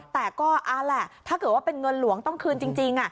แต่ถ้าเกิดว่าเป็นเงินหลวงต้องคืนจริง